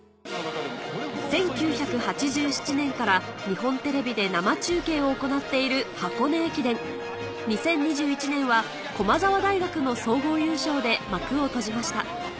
１９８７年から日本テレビで生中継を行っている２０２１年は駒澤大学の総合優勝で幕を閉じました